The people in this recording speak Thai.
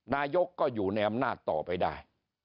นายกก็อยู่ในอำนาจต่อไปได้